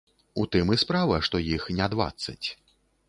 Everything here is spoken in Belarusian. У тым і справа, што іх не дваццаць.